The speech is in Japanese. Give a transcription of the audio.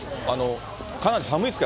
かなり寒いですか？